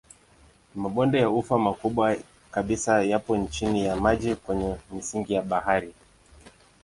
Mabonde ya ufa makubwa kabisa yapo chini ya maji kwenye misingi ya bahari.